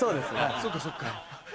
そっかそっか。